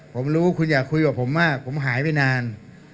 ผมรู้คุณอยากคุยกับผมว่าผมหายไปนาน